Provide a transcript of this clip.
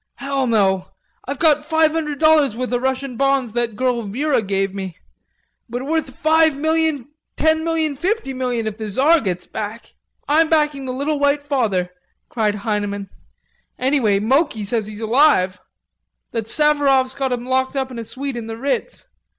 "Hell, no.... I've got five hundred dollars' worth of Russian bonds that girl Vera gave me.... But worth five million, ten million, fifty million if the Czar gets back.... I'm backing the little white father," cried Heineman. "Anyway Moki says he's alive; that Savaroffs got him locked up in a suite in the Ritz....